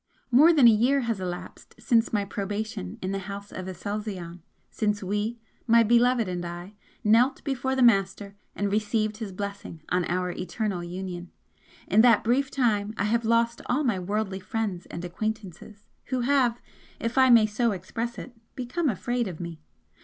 More than a year has elapsed since my 'Probation' in the House of Aselzion, since we, my Beloved and I, knelt before the Master and received his blessing on our eternal union. In that brief time I have lost all my 'worldly' friends and acquaintances, who have, if I may so express it, become afraid of me.